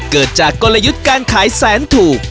เกิดจากกลยุทธ์การขายแสนถูก